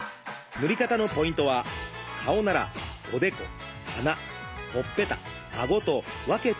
塗り方のポイントは顔ならおでこ鼻ほっぺたあごと分けて塗ること。